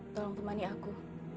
tolong temani aku